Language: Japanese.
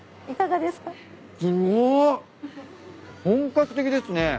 本格的ですね。